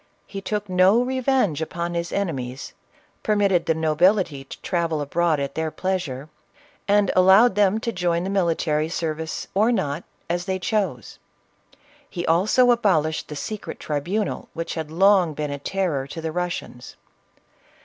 He took no revenge upon his enemies, permitted the nobility to travel abroad at their pleasure, and allowed them to join the military service or not, as they chose. He also abolished the secret tribunal which had long been a terror to the Russians.